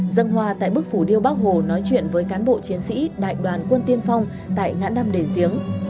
dân hoa tại bức phủ điêu bác hồ nói chuyện với cán bộ chiến sĩ đại đoàn quân tiên phong tại ngã năm đền giếng